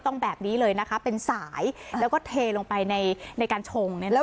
ต้องแบบนี้เลยนะคะเป็นสายแล้วก็เทลงไปในการชงเนี่ยนะคุณ